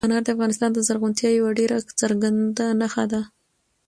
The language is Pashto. انار د افغانستان د زرغونتیا یوه ډېره څرګنده نښه ده.